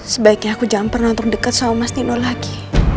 sebaiknya aku jangan pernah nonton deket sama mas nino lagi